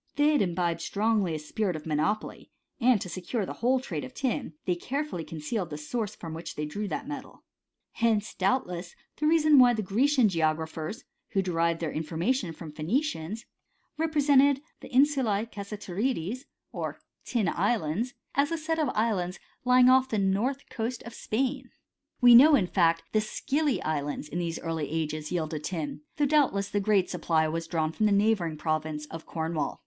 They had imbibed strongly a spirit of monopoly ; and to secure the whole trade of tin they carefully con cealed the source from which they drew that metal. Hence, doubtless, the reason why the Grecian geogra ^ phers, who derived their information from the Phoe / nicians, represented the Insulse Cassiterides, or tin • f^nmhers xxxi, 22* ' Jf2 68 mSTO&T OF CHEMIST&T. islands, as a set of islands lying off the north coast of Spain. We know that in fact the Scilly islands, in these early ages, yielded tin, though doubtless the great supply was drawn from the neighbouring pro vince of Cornwall.